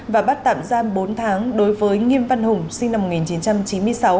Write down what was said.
và bắt tạm giam bốn tháng đối với nghiêm văn hùng sinh năm một nghìn chín trăm chín mươi sáu